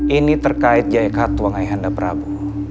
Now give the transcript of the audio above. ini terkait jayakatwang ayahanda prabu